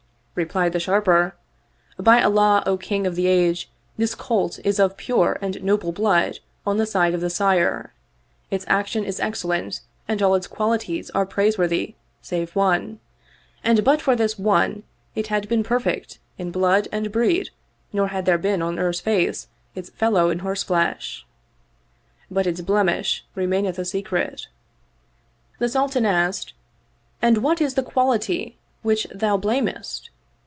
Replied the Sharper, "By Allah, O King of the Age, this colt is of pure and noble blood on the side of the sire: its action is excellent and all its qualities are praise worthy save one ; and but for this one it had been perfect in blood and breed nor had there been on earth's face its fellow in horseflesh. But its blemish remaineth a secret." The Sultan asked, "And what is the quality which thou blamest?"